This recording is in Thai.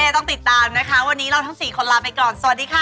ต้องติดตามนะคะวันนี้เราทั้ง๔คนลาไปก่อนสวัสดีค่ะ